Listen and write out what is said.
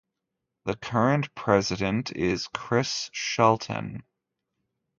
The current president is Chris Shelton.